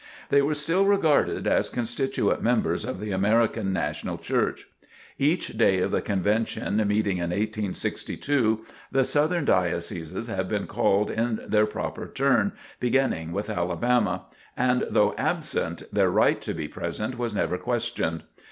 They were still regarded as constituent members of the American National Church. Each day of the convention meeting in 1862, the Southern Dioceses had been called in their proper turn, beginning with Alabama; and though absent, their right to be present was never questioned.